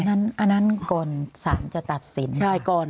อันนั้นก่อนสรรจะตัดสินใช่ก่อน